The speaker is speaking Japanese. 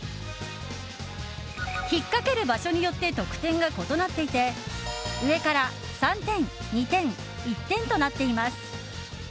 引っかける場所によって得点が異なっていて上から３点、２点、１点となっています。